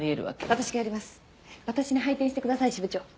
私に配点してください支部長。